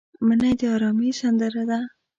منی د ارامۍ سندره ده